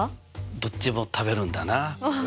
どっちも食べるんだな。